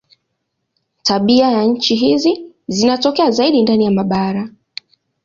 Tabianchi hizi zinatokea zaidi ndani ya mabara.